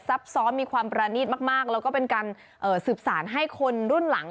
ซ้อมมีความประณีตมากแล้วก็เป็นการสืบสารให้คนรุ่นหลัง